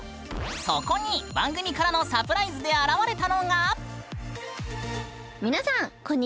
そこに番組からのサプライズで現れたのが。